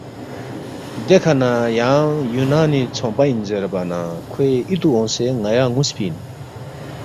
دیکھہ نہ یانگ یُونانی ژھونگپا اِن زیربا نہ کھوے اِتُو اونگسے ن٘یا نُ٘وسفی اِن